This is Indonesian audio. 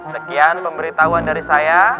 sekian pemberitahuan dari saya